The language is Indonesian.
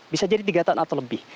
bisa jadi tiga tahun atau lebih